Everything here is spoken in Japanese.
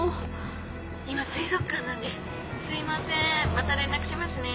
また連絡しますね。